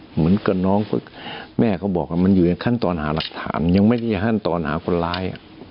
เหมือนกับน้องฝึกแม่เขาบอกว่ามันอยู่ในขั้นตอนหาหลักฐานยังไม่ได้ขั้นตอนหาคนร้าย